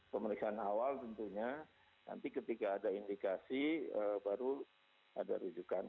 pemeriksaan awal tentunya nanti ketika ada indikasi baru ada rujukan